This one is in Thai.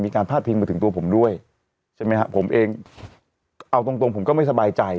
มีการพาดเพลงมาถึงตัวผมด้วยใช่มั้ยฮะผมเองเอาตรงผมก็ไม่สบายใจ